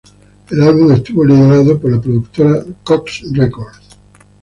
El álbum estuvo liberado por la productora Koch Records.